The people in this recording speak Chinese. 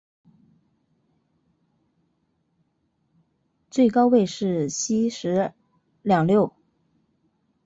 最高位是西十两六。